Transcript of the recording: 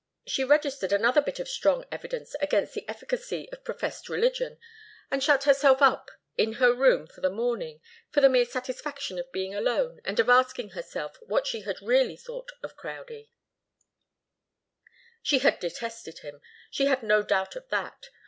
She registered another bit of strong evidence against the efficacy of professed religion, and shut herself up in her room for the morning, for the mere satisfaction of being alone and of asking herself what she had really thought of Crowdie. She had detested him. She had no doubt of that.